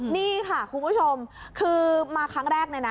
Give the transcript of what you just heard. นี่ค่ะคุณผู้ชมคือมาครั้งแรกเลยนะ